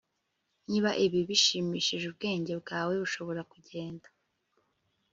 niba ibi bishimishije ubwenge bwawe bushobora kugenda